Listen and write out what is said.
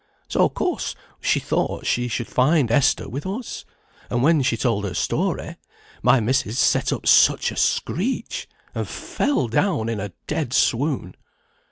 So of course she thought she should find Esther with us; and when she told her story, my missis set up such a screech, and fell down in a dead swoon.